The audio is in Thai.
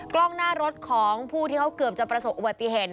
กล้องหน้ารถของผู้ที่เขาเกือบจะประสบอุบัติเหตุ